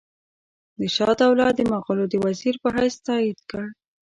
ده شجاع الدوله د مغولو د وزیر په حیث تایید کړ.